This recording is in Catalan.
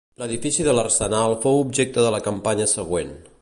L'edifici de l'arsenal fou objecte de la campanya següent.